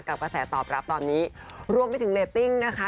กระแสตอบรับตอนนี้รวมไปถึงเรตติ้งนะคะ